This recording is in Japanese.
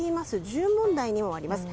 銃問題にもあります。